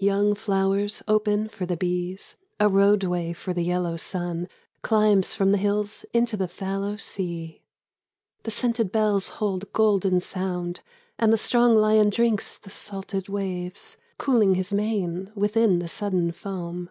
Young flowers open for the bees ; A roadway for the yellow sun Climbs from the hills into the fallow sea. The scented bells hold golden sound ; And the strong lion drinks the salted waves, Cooling his mane within the sudden foam.